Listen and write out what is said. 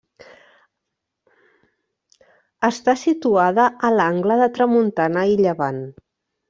Està situada a l'angle de tramuntana i llevant.